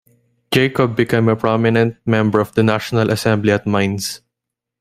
Jacob became a prominent member of the National Assembly at Mainz.